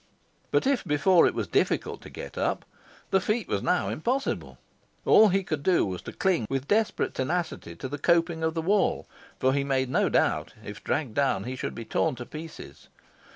But, if before it was difficult to get up, the feat was now impossible. All he could do was to cling with desperate tenacity to the coping of the wall, for he made no doubt, if dragged down, he should be torn in pieces.